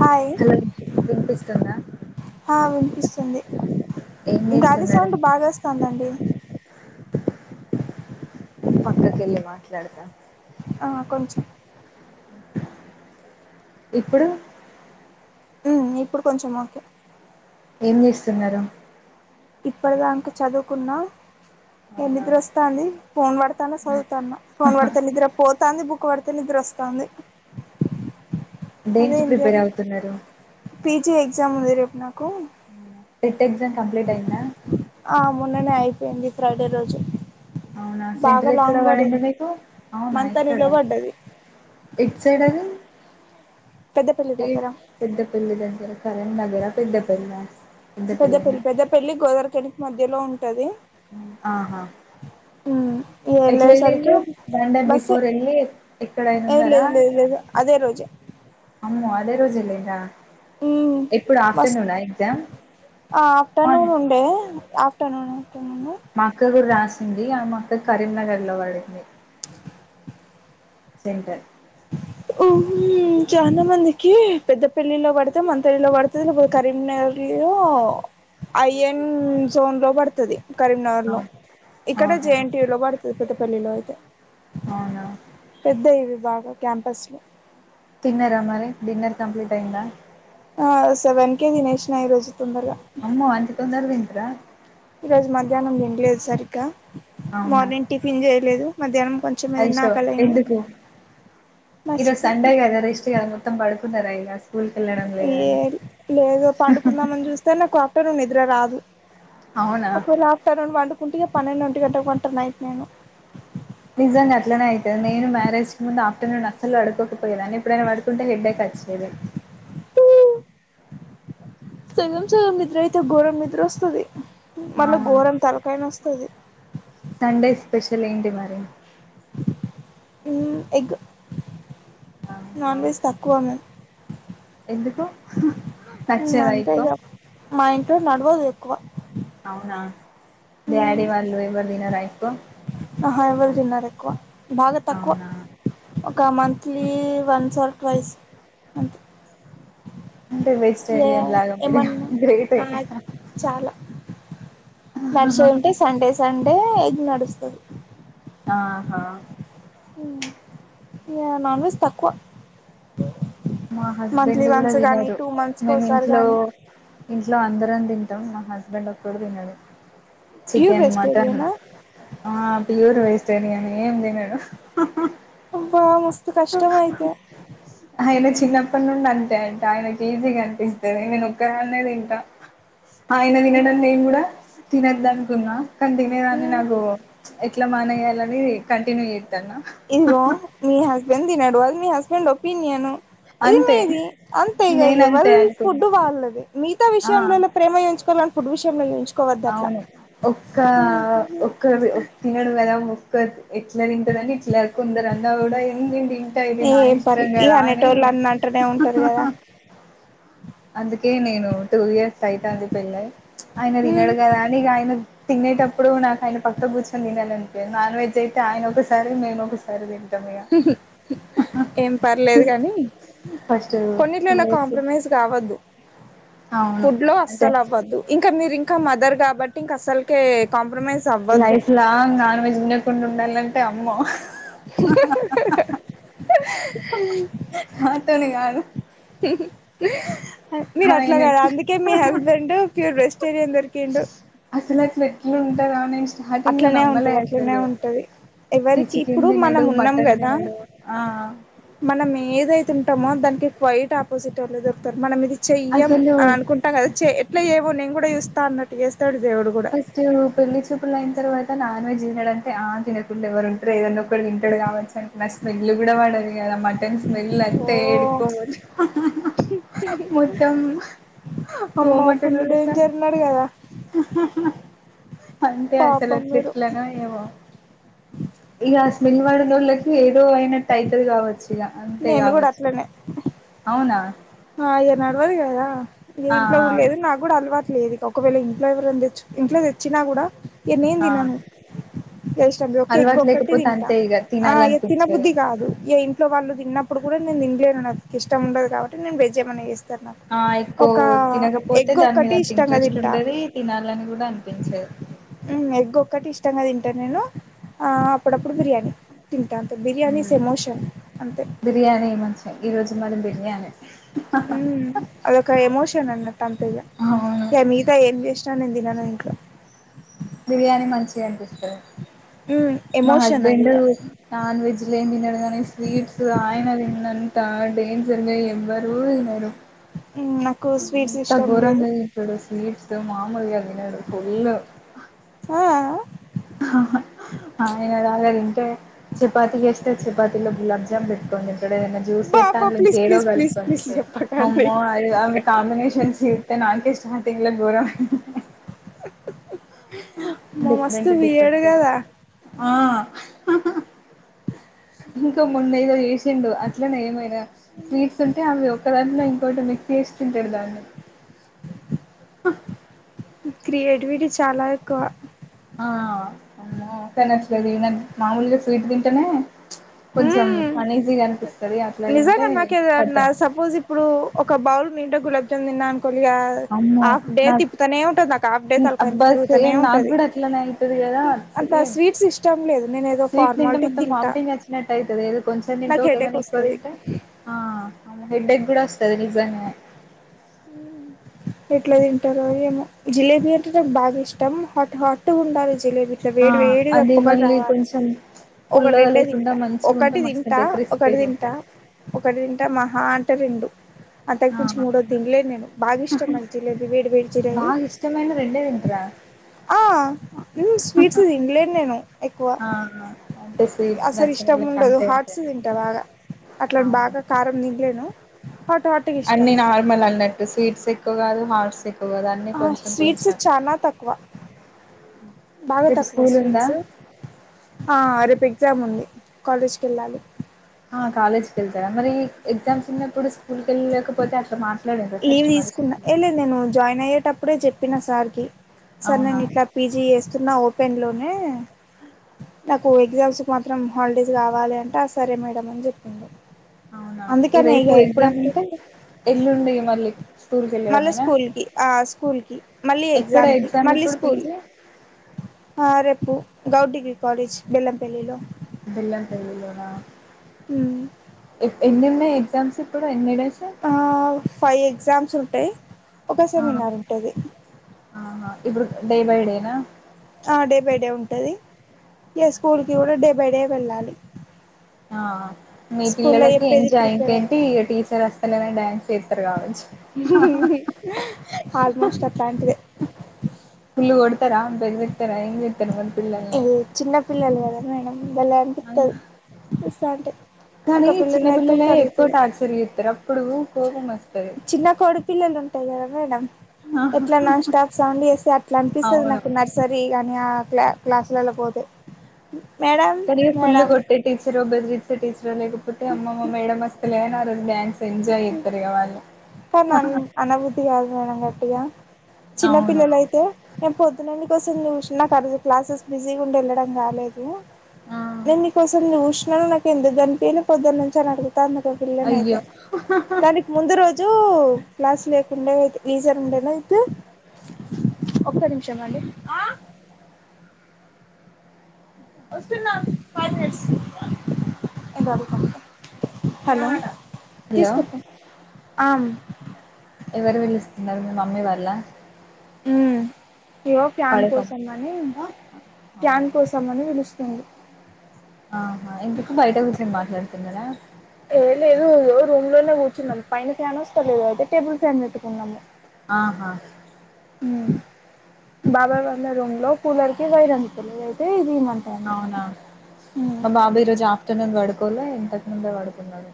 Hi hello వినిపిస్తుందా ఆ వినిపిస్తుంది ఏం గాలి చేస్తున్నారు సౌండ్ బాగా వస్తుందండి పక్కకెళ్ళి మాట్లాడతా అ కొంచం ఇప్పుడు ఆ ఇప్పుడు కొంచం ఓకే ఏం చేస్తున్నారు ఇప్పడు దాక చదువుకున్నా ఏ అవునా నిద్ర వస్తాంది ఫోన్ పడతాన చదువుతాన ఫోన్ పడతే నిద్ర పోతాంది బుక్ పడతే నిద్ర వస్తంది దేనికి ప్రిపేర్ చేయాలి అవుతున్నారు పీజీ ఎగ్జామ్ ఉంది రేపు నాకు టెట్ ఎగ్జామ్ కంప్లీట్ అయ్యిందా ఆ మొన్ననే అయిపోయింది ఫ్రైడే రోజు అవునా బాగా సెంటర్ ఎక్కడ లాంగ్ పడింది మీకు అవునా మంతా ఎక్కడ నిలబడ్డది ఎటు సైడ్ అది పెద్దపల్లి ఏ దగ్గర పెద్ద పల్లి దగ్గర కరణం దగ్గర పెద్ద పల్లా పెద్దపల్లి పెద్దపల్లి గోదరికెలి మధ్యలో ఉంటది ఆహా ఉమ్ ఇగ ఎట్ల వెళ్ళేసరికి వెళ్ళిండ్రూ వన్డే బస్సు బిఫోర్ వెళ్ళి ఎక్కడయినా ఏ ఉన్నారా లేదు లేదు లేదు అదే రోజే అమ్మో అదే రోజు ఏళ్లిండ్రా ఉమ్ మస్ ఎగ్జామ్ ఆఫ్టర్నూన్ మార్నింగ్ ఉండే కుట్టనను మా అక్క కూడా రాసింది ఆ మా అక్క కరీంనగర్ లో పడింది సెంటర్ ఉమ్ చాలా మందికి పెద్ద పల్లిలో పడితే మన తల్లిలో పడుతే లేకపోతే కరీంనగర్ అయఎన్ జోన్ లో పడుతుది ఆ కరీంనగర్లో ఇక్కడే ఆహా జేఎన్టీయులో పడుతది పెద్దపల్లిలో అయితే అవునా పెద్ద ఇవి బాగ క్యాంపస్ లో తిన్నరా మరి డిన్నర్ కంప్లీట్ అయ్యిందా ఆ సెవెన్ కే తినేషిన ఈరోజు తొందర అమ్మో అంత తొందర తింట్రా ఈ రోజు మధ్యాహ్నం తినలేదు సరిగ్గా మార్నింగ్ టిఫిన్ చేయలేదు మధ్యాహ్నం కొంచెం ఏదన్నా ఐషో ఆకలైంది ఎందుకి ఈరోజు మర్చిపోయా సండే గద రెస్ట్ గద మొత్తం పడుకున్నారా అయితే ఏ లేదు పండుకుందామని చూస్తే నాకు ఆఫ్టర్ నూన్ నిద్ర రాదు అవునా ఒకవేళ ఆఫ్టర్నూన్ వండుకుంటేగా పన్నెండు ఒంటి గంట కి పంట నైట్ నేను నిజంగా అట్లనే అవుతుంది నేను మ్యారేజ్ కు ముందు ఆఫ్టర్నూన్ అసలు పడుకో పోయేదాన్ని ఎప్పుడైనా పడుకుంటే హెడ్డేక్ వచ్చేది సగం సగం నిద్ర అయితే గోరం నిద్ర వస్తది మళ్ళా అవును ఘోరం తలకాయ నస్తది సండే స్పెషల్ ఏంటి మరి ఎగ్ నాన్ ఆహా వెజ్ తక్కువ మేమ్ ఎందుకు మేము నచ్చదా అంతే ఎక్కువ ఇగ మా ఇంట్లో నడవదు ఎక్కువ అవునా మ్మ్ డాడీ వాళ్ళు ఎవరు తినరా ఇంట్లో ఆహా ఎవరూ తినరు ఎక్కవ బాగా తక్కువ అవునా ఒక మంత్లీ వన్స్ ఆర్ ట్వైస్ అంతే అంటే ఇగ వెజిటేరియన్లాగా మీరు ఏమన్నా గ్రేట్ అయితే నడిచే ఉంటే సండే సండే ఎగ్ నడుస్తుంది ఆహా ఏ నాన్ వెెజ్ తక్కువ మా మంత్లీ హస్బెండ్ కూడా వన్స్ గానీ తినరు టూ మంత్స్ మేం కోసారి ఇంట్లో గానీ ఇంట్లో అందరం తింటాం మా హస్బెండ్ ఒక్కరు తినడు ప్యూర్ చికెన్ మటన్ వెజిటేరియనా ఆ ప్యూర్ వెజిటేరియన్ ఏం తినడు అబ్బా మస్త [unintelligible] చిన్నప్పటి నుండి అంతే అంటే ఆయన కి ఈసీ కనిపిస్తది నేను ఒక్కదాన్నే తింట ఆయన తినడనీ నేను కూడా తినద్ద అనుకున్నా కానీ తినేదాన్ని నాకు ఎట్లా మానెయ్యాల అది కంటిన్యూ అయ్యింది ఇదిగో మీ హస్బెండ్ తినడు మీ హస్బెండ్ ఒపినియన్ ఇది అంతే మీది అంతే నేనంతే ఎవల్ అనుకున్నా ఫుడ్ వాళ్ళది మిగతా ఆ విషయంలో ప్రేమ చేంచుకో ఫుడ్ విషయంలో చూయించుకోవద్దు అట్లా అవును ఒక్క ఒక్క తినడు కదా ఒక్క ఎట్లా తింటారుని ఇట్ల కొందరు అని అవి కూడా ఏ తింటా ఇది నా ఇష్టం కదా అని నే ఉంటారు కదా అందుకే నేను టూ ఇయర్స్ అయితంది పెళ్ళయి ఆయన తినడు కదా అని ఇగ ఆయన తినేటప్పుడు నాకు ఆయన పక్కన కూచొని తినాలని నాన్ వెజ్ అయి ఆయన ఒకసారి మేము ఒకసారి తింటాం ఇగ ఏం పర్లేదు గాని ఫస్ట్ కొన్నిట్లలో తినేసి కాంప్రమైజ్ కావద్దు ఫుడ్ లో అస్సలు అవ్వద్దు ఇంకా మీరు ఇంకా మదర్ కాబట్టి ఇంకా అసలుకే కాం లైఫ్ లాంగ్ నాన్ వెజ్ తినకుండా ఉండాలంటే అమ్మో [inaudible] [unintelligible] [inaudible] మీరు అట్లా ఆయన కదా అందుకే మీ హస్బెండ్ ప్యూర్ వెజిటేరియన్ దొరికిండు [unintelligible] ఉంటార అనేసి అట్లనే ఉంటది అట్లనే ఉంటది తి ఎవరికి చికెన్ ఇప్పుడు మనం తినడు ఉన్నాం మటన్ కదా తినడు ఆ మనం ఏదైతే ఉంటామో దానికి కైట్ ఆపోజిట్ వాళ్ళు దొరుకుతారు మనం ఇది చెయ్యం అసలు అనుకుంటాం కదా చె ఎట్లా చేయవో నేను కూడా చూస్తా అన్నట్టు చేస్తా ఫస్ట్ ఏమో పెళ్ళి చూపులు అయినా తరువాత నాన్ వెజ్ తినడు అంటే ఆ తినకుండా ఎవరు ఉంటారు ఏదన్న ఒకటీ తింటడు కావచ్చు నాకు స్మెల్ కూడా పడదు కదా మటన్ స్మెల్ అంటే ఓ ఏడుకో పోత మొత్తం అమ్మో ఫుల్ కొమటోలలెక్క డేంజర్ ఉన్నాడు కదా అంతే అసలు పాపం అట్ల మీరు ఎట్లానో ఏవో ఇక స్మెల్ పడనోళ్ళకి ఏదో అయినట్టు అయితది కావచ్చు ఇగ అంతే నేను కూడా కావచ్చు అట్లనే అవునా ఆ ఇగా నడవదు కదా ఇగ ఆ ఇంట్లో కూడా లేదు ఆ నాకు కూడా అలవాటు లేదు ఇక ఒకవేళ ఇంట్లో ఎవరైనా తెచ్చ ఇంట్లో తెచ్చినా కూడా ఇగ నేన్ ఆ తినను [unintelligible] ఎగ్ అలవాటు ఒక్కటి లేకపోతే తింట అంతే ఇగ ఆ ఇ తిన బుద్ధి తినాలనిపించదు కాదు ఇగా ఇంట్లో వాళ్ళు తిన్నప్పుడు కూడా నేను తినలేదు నాకు ఇష్టండదు కాబట్టి నేను వెజ్ ఏమన్నా చేస్తను ఆ ఎక్కువ తినకపోతే ఎగ్ దాని మీద ఒక్కటి అంత ఇష్టంగా ఇంట్రెస్ట్ తింటా ఉండది తినాలని కూడా అనిపించంది అ ఉమ్ ఎగ్ ఒక్కటి ఇష్టంంగా తింటారు నేను అప్పుడప్పుడు బిర్యానీ తింటా అంత బిర్యానీ మ్మ్ ఈస్ ఎమోషన్ అంతే ఈరోజు మరి బిర్యానీ ఉమ్ అదొక ఎమోషన్ అన్నట్ అంతే అవును ఇగ మీగత ఏం చేస్ [unintelligible] నందినకు బిర్యానీ మంచిగా అనిపిస్తది ఉమ్ మా ఎమోషన్ అది హస్బెండ్ ఇగ నాన్ వెజ్ అసలు ఏం తినడు కానీ స్వీట్స్ ఆయన తిన్నంత డేంజర్గా ఎవ్వరూ తినరు ఉమ్ నాకు స్వీట్స్ ఎంత ఇష్టం లేదు గోరంగా తింటాడో స్వీట్స్ ఇద మాములుగా తినడు ఫుల్ ఆ ఆ! ఆహా ఆయనదాయిన తింటే చపాతి చేస్తే చపాతిలోకి గులాబ్ జామ్ పెట్టుకోనీ తింటాడు ఏదన్నా జ్యూస్ చేస్తే బాబా ప్లీజ్ ఇంకేదో ప్లీజ్ ప్లీజ్ కలుపుకొని ప్లీజ్ తింటాడు చెప్పకండి అమ్మో అవి అ కాంబినేషన్స్ చేస్తే నాకే స్టార్టింగ్ లో గౌరవం మా మస్తు డిఫరెంట్ వియర్డ్ డిఫరెంట్ కదా ఆ ఇంకా మున్న ఏదో చేసిండు అట్లనే ఏమైనా స్వీట్స్ ఉంటే అవి ఒక్కదానిలో ఇంకోటి మిక్స్ చేస్తుంటారు దాన్ని ఆ క్రియేటివిటీ చాలా ఎక్కువ ఆఁ అమ్మో అస్సల్ నచ్చలేదు ఈవెన్ మాములుగా స్వీట్ తింటేనే ప్చ్ కొంచెం ఉమ్ అనీజీగా అనిపిస్తది అట్ల తింటే నిజంగా నాకు కట్టన్ మీ ఇంట్లో గులాబ్ జామ్ తిన్నా కొలిగా అమ్మో హాఫ్ డే నాకు తిప్పుతనే ఉంటది నా హాఫ్ డే తల్కాయంత అబ్బా తిరుగుతనే సేమ్ నాకు ఉంటంది. కూడా అట్లనే అయితది కదా అంత సేమ్ స్వీట్స్ ఇష్టం లేదు నేను ఏదో ఫార్మాలిటీ తింటా నట్టైతది ఎదో కొంచం తింటే నాకు ఓకే హెడేక్ గానీ ఎక్కువ వస్తది తింటే ఆఁ అవును హెడ్డెక్ గూడ వస్తది నిజమే ఎట్ల తింటరో ఏమో! జిలేబీ అంటే నాకు బాగ ఇష్టం హాట్ హాట్ ఉండాలి జిలేబీ ఇట్ల ఆ వేడి వేడిగా అది పొగలు మళ్ళీ రావాలే కొంచెం ఒకటి పుల్లగా రెండే లేకుండా తింటా మంచిగా ఉంటే ఒకటి తింటా మస్తుంటాయి ఒకటి క్రిస్పీగా తింటా ఉంటాయి ఒకటి తింటా మహా అం టే రెండు అంతకు ఆ మించి మూడోది తినలేను నేను బాగ ఇష్టం నాకు జిలేబీ వేడి వేడి జిలేబీ బాగా ఇష్టమైన రెండే తింటరా ఆఁ మ్ఁ స్వీట్స్ తిన్లేను నేను ఎక్కువ ఆ అంటే స్వీట్స్ అసలు ఇష్టం నచ్చినోళ్ళకి ఉండదు అంతే హాట్స్ ఉంటది తింట బాగ అట్లని అవును బాగ కారం తిన్లేను హాటు, హా అన్ని నార్మల్ అన్నట్టు స్వీట్స్ ఎక్కువ కాదు హార్ట్స్ ఎక్కు [unintelligible] కొంచెం స్వీట్స్ కొంచెం బాగ రేపు తక్కువ స్కూల్ ఉందా స్వీట్స్ ఆఁ రేపు ఎగ్జామ్ ఉంది కాలేజ్కి ఎళ్ళాలి ఆ కాలేజ్ కెళ్తారా మరీ ఎగ్జామ్స్ ఉన్నప్పుడు స్కూల్ కెళ్ళలేకపోతే అట్ల మార్ లీవ్ తీసుకున్న. ఏ లేదు నేను జాయిన్ అయ్యేటప్పుడే చెప్పిన సార్ కి సార్ అవునా నేను ఇట్ల పీజీ చేస్తున్న ఓపెన్ లోనే నాకు ఎగ్జామ్స్ కు మాత్రం హాలిడేస్ కావాలే అంటే, సరే మేడం అని చెప్పింది. అవునా ఈ రేపు ఎగ్జామ్ ఉంటే ఎల్లుండి మళ్ళీ స్కూల్కి మళ్ళి వెళ్ళడమేనా స్కూల్ కి ఆఁ స్కూల్ కి మళ్ళీ ఎక్కడ ఎగ్జామ్ కి మళ్ళీ ఇప్పుడు స్కూల్ పీజీ ఆ రేపు గౌడ్ డిగ్రీ కాలేజ్ బెల్లంపల్లిలో బెల్లంపల్లిలోన ఇప్ ఎన్నిన్నై ఎక్జామ్స్ ఇప్పుడు ఎన్ని డేస్ ఆఁ ఫైవ్ ఎగ్జామ్స్ ఉంటయి ఆఁ ఆ హఁ ఇప్పుడు డే బై డే నా! ఆ డే బై డే ఉంటది, ఇగ స్కూల్ కి గూడ డే బై డే వెళ్ళాలి. ఆఁ మీ స్కూల్లో పిల్లలకి చెప్పేది ఎంజాయ్ ప్రిపేర్ ఏంటేంటి అవ్వాలి ఇగ టీచర్ వస్ తలేరని డాన్స్ చేత్తర్ కావచ్చు ఆల్మోస్ట్ అట్లాంటిదే కదా బిగ పట్టుకొని ఏం చేత్తర్ మళీ ఏ చిన్నపిల్లలు కదా మేడం బలే అనిపిత్తది వస్తావుంటే కానీ ఒక పిల్లనైతే ఊకె అడుగుతది కు కోపం వస్ చిన్న కోడి పిల్లలు ఉంటయి కదా మేడం ఇట్ల నాన్ స్టాఫ్ సౌండ్ చేస్తే అట్ల అనిపిస్తది అవును నాకు నర్సరీ గాని ఆ క్లా క్లాస్లల్లకి పోతే మేడం కనీ ఫుల్ మేడం గొట్టే టీచరో బెదిరి చ్చే టీచరో లేకపోతే అమ్మ మా మేడం వస్తలేదని ఆ రోజు డాన్స్ ఎంజాయ్ చేత్తర్ ఇగ వాళ్ళు కాన్ నన్ అనబుద్ది కాదు మేడం గట్టగా చిన్న అవును పిల్లలయితే నేన్ పొద్దునన్కి వస్ సం జూసినా క్లాసెస్ బిజీగ ఉండి వెళ్ళడం కాలేదు ఆ నేన్ నీకోసం జూస్ నాన నాకు ఎందుకు గన్పిలే పొద్దు నుంచి అని అడుగుతాను గ పిల్లనయితే అయ్యో దానికి ముందు రోజు ఓ క్లాస్ లేకుండే ఈజర్ ఉండేనా అయితే ఒక్క నిమిషం అండి అ వస్తున్న ఫైవ్ మినిట్స్ ఇదది కొంట హలో హలో తీస్కపో ఆం ఎవరు పిలుస్తున్నారు మీ మమ్మీ వాళ్ళ మ్మ్ ఏవో ఫ్యాన్ పడుకో కోసం అని అ ఫ్యాన్ అవునా కోసం అని పిలుస్తుంది ఆహా ఎందుకు బయట కూర్చొని మాట్లాడుతున్నర ఏ లేదు రూమ్ లోనే కూర్చున్నాం పైన ఫ్యాన్ వస్తా లేదయితే టేబుల్ ఫ్యాన్ పెట్టుకున్నాము ఆహా మ్ బాబాయ్ పండే రూమ్లో కూలర్కి అందతలే అయితే ది మ అవునా మా బాబు ఈరోజు ఆ టునన్ గడుకోలే ఇంతకు ముందే పడుకున్నాను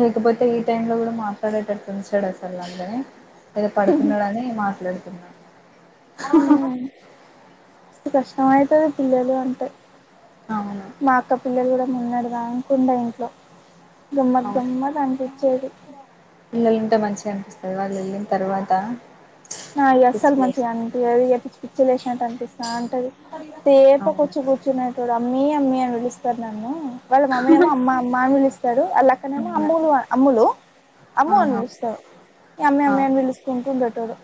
లేకపోతే ఈ టైమ్ లో కూడా మాట్లాడేటట్టు ఉంచడు అసలు నన్నే ఏదో పడుతున్నాడని మాట్లాడుతున్నా మ్ మస్తు కష్టం అయితది పిల్లలు అంటే అవును మా అక్క పిల్లలు కూడా మొన్నడు దాంక ఉండే ఇంట్లో గమ్మద్ అవును గమ్మదనిపిచ్చేది ఇగ వాళ్ళు వెళ్ళిన తర్వాత పిచ్చి అస్సలు మంచిగా లేస్తది అన్పియది పిచ్చి పిచ్చి లేసినట్టు అనిపిస్తా అంటది తేప అవును కొచ్చం కూర్చున్నటోడ మీ అమ్మీ అని పిలుస్తారు నన్ను వాళ్ళ మమ్మీ ఏమో అమ్మ అమ్ అని పిలుస్తారు ఆళ్ళక్కనేమో అవునా? అమ్ములు అమ్ములు అమ్ము అని ఆహా పిలుస్తారు ఈ అమ్మి ఆ అమ్మి అని పిలుస్తు ఉంటు ఉండేటోడు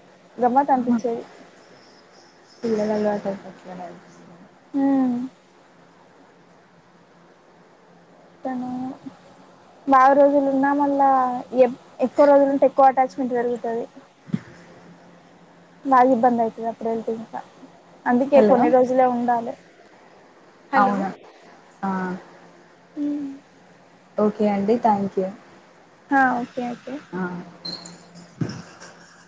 గమ్మత్ అనిపించేది నాకు అట్లనే అనిపిస్తా హ్మ్ తనే బాగా రోజులు ఉన్నా మళ్ళా ఎప్ ఎక్కువ రోజులంటే ఎక్కువ అటాచ్మెంట్ పెరుగుతది బాగా ఇబ్బంది అయితది అప్పుడు అయితే ఇంకా అందుకే కొన్ని రోజులే ఉండాలి హలో అవున ఆ మ్ ఓకే అండి థ్యాంక్యూ హ ఓకే ఓకే [inaudible]